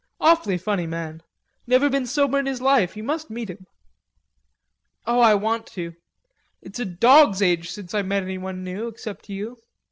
Awfully funny man... never been sober in his life. You must meet him." "Oh, I want to.... It's a dog's age since I met anyone new, except you.